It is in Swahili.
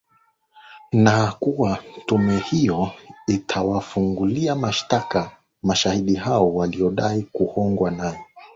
na kuwa tume hiyo itawafungulia mashtaka mashahidi hao waliodai kuhongwa naye